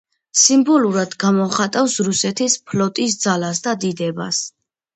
სიმბოლურად გამოხატავს რუსეთის ფლოტის ძალას და დიდებას.